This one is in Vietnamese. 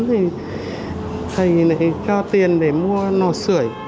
thì thầy lại cho tiền để mua nọ sửa